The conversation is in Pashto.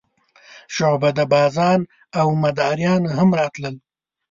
شعبده بازان او مداریان هم راتلل.